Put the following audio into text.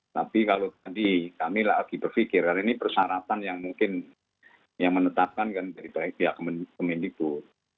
tapi kalau tadi kami lagi berpikir karena ini persyaratan yang mungkin yang menetapkan kan dari pihak kemendikbud